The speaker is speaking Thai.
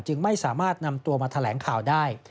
จึงไม่สามารถนำตัวมาแถลงข่าวได้